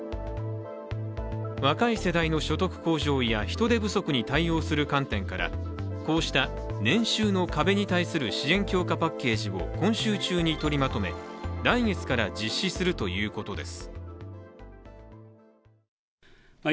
若い世代の所得向上や人手不足に対応する観点から、こうした年収の壁に対する支援強化パッケージを今週中に取りまとめ、来月から実施するということです。